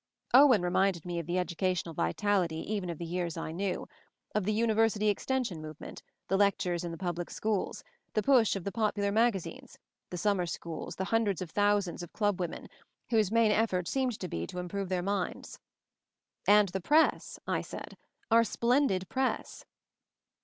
Owen reminded me of the educational vitality even of the years I knew; of the university extension movement, the lectures in the public schools, the push of the popular magazines; the summer schools, the hun dreds of thousands of club women, whose main effort seemed to be to improve their minds. "And the Press," I said — "our splendid Press."